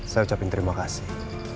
saya ucapkan terima kasih